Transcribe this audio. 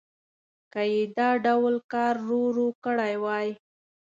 که یې دا ډول کار ورو ورو کړی وای.